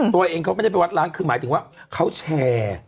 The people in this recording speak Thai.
ตัวเองเขาไม่ได้ไปวัดล้างคือหมายถึงว่าเขาแชร์